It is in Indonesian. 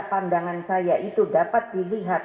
pandangan saya itu dapat dilihat